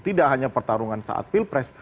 tidak hanya pertarungan saat pilpres